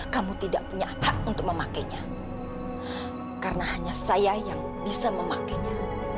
kamu tidak punya apa untuk memakainya karena hanya saya yang bisa memakainya